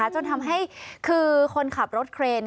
จนทำให้คือคนขับรถเครน